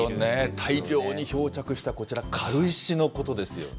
大量に漂着した軽石のことですよね。